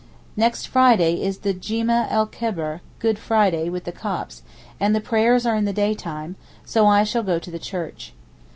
Next Friday is the Djuma el Kebeer (Good Friday) with the Copts, and the prayers are in the daytime, so I shall go to the church.